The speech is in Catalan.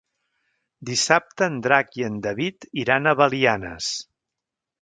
Dissabte en Drac i en David iran a Belianes.